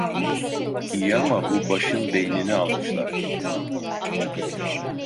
İyi ama bu başın beynini almışlar!